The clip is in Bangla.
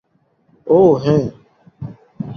ওহ, হ্যাঁ।